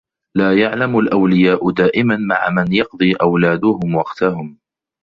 لا يعلم الأولياء دائما مع من يقضي أولادهم وقتهم.